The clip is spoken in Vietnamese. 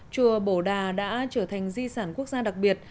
chùa bổ đà đã trở thành di sản quốc gia đặc biệt